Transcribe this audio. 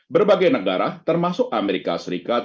berbagai negara termasuk amerika serikat